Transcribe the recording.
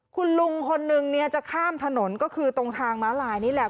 คุณลุงคนนึงเนี่ยจะข้ามถนนก็คือตรงทางม้าลายนี่แหละ